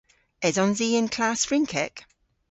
Esons i y'n klass Frynkek?